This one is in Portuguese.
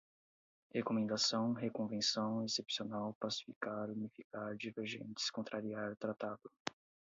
recomendação, reconvenção, excepcional, pacificar, unificar, divergentes, contrariar, tratado